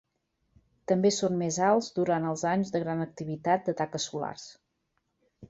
També són més alts durant els anys de gran activitat de taques solars.